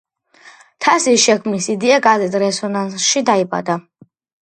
თასის შექმნის იდეა გაზეთ რეზონანსში დაიბადა.